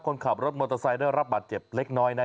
คนขับรถมอเตอร์ไซค์ได้รับบาดเจ็บเล็กน้อยนะ